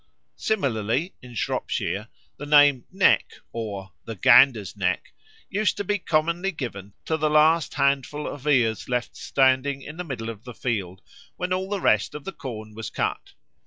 Similarly in Shropshire the name "neck," or "the gander's neck," used to be commonly given to the last handful of ears left standing in the middle of the field when all the rest of the corn was cut.